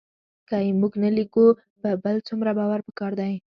که یې موږ نه لیکو په بل څومره باور پکار دی